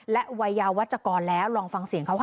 และวัยยาวัชกรแล้วลองฟังเสียงเขาค่ะ